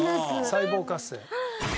細胞活性。